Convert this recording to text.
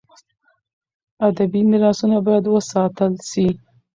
. ادبي میراثونه باید وساتل سي.